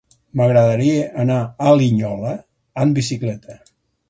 M'agradaria anar a Linyola amb bicicleta.